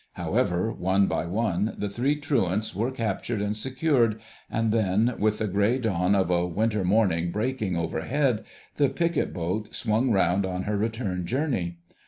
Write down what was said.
However, one by one, the three truants were captured and secured, and then, with the grey dawn of a winter morning breaking overhead, the picket boat swung round on her return journey.